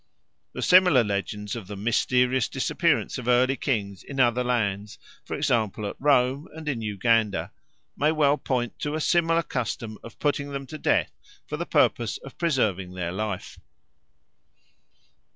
The similar legends of the mysterious disappearance of early kings in other lands, for example at Rome and in Uganda, may well point to a similar custom of putting them to death for the purpose of preserving their life.